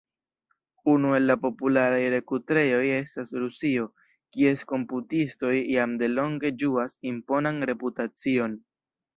Unu el la popularaj rekrutejoj estas Rusio, kies komputistoj jam delonge ĝuas imponan reputacion.